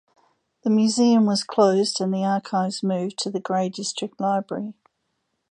The museum was closed and the archives moved to the Grey District Library.